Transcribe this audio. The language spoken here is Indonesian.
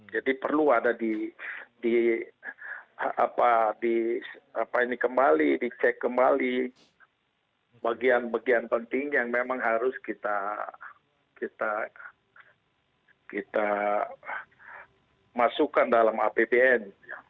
jadi perlu ada di cek kembali bagian bagian penting yang memang harus kita masukkan dalam apbn